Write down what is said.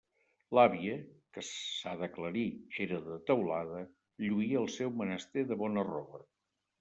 L'àvia, que, s'ha d'aclarir, era de Teulada, lluïa el seu menester de bona roba.